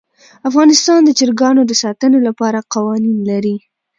افغانستان د چرګانو د ساتنې لپاره قوانین لري.